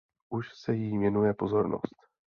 Už se jí věnuje pozornost.